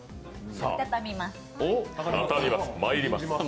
たたみます。